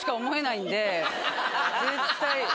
絶対。